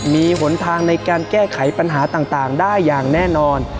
มีหนทางในการแก้ไขปัญหาต่างได้อย่างแน่นอน